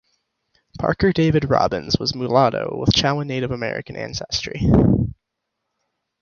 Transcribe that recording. Parker David Robbins was Mulatto with Chowan Native American ancestry.